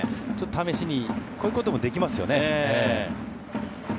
試しにこういうこともできますよね。